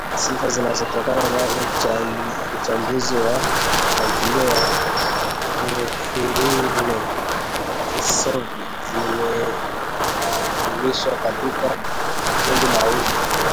Sifa zinazotokana na uchambuzi wa tamthilia ya Catherine Kisovi zimeainisha katika makundi mawili